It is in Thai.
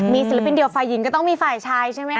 มีศิลปินเดียวฝ่ายหญิงก็ต้องมีฝ่ายชายใช่ไหมค